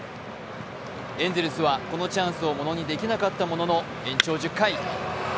エンゼルスは、このチャンスをものにできなかったものの延長１０回。